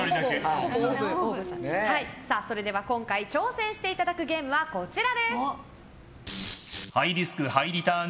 今回挑戦していただくゲームはこちらです。